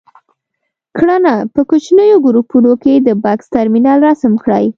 کړنه: په کوچنیو ګروپونو کې د بکس ترمینل رسم کړئ.